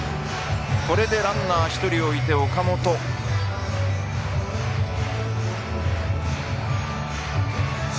これでランナー１人を置いて岡本です。